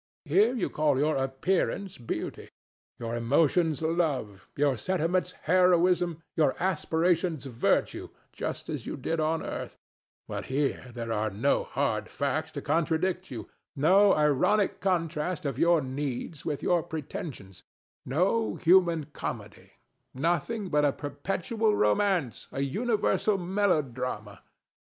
Here you call your appearance beauty, your emotions love, your sentiments heroism, your aspirations virtue, just as you did on earth; but here there are no hard facts to contradict you, no ironic contrast of your needs with your pretensions, no human comedy, nothing but a perpetual romance, a universal melodrama.